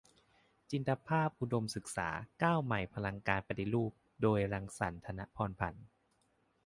"จินตภาพอุดมศึกษา-ก้าวใหม่หลังการปฏิรูป" โดย รังสรรค์ ธนะพรพันธุ์